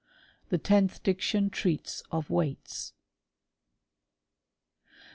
The tenth dic tion treats of weights.